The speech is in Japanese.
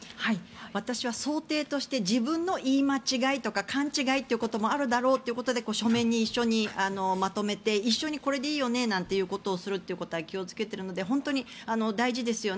私は想定として自分の言い間違いとか勘違いということもあるだろうということで書面に一緒にまとめて一緒にこれでいいよね？ということをするのは気をつけているので大事ですよね。